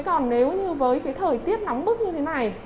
còn nếu như với cái thời tiết nóng bức như thế này